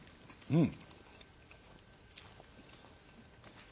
うん！